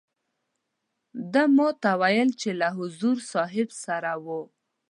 ده ما ته وویل چې له حضور صاحب سره وو.